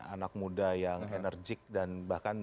anak muda yang enerjik dan bahkan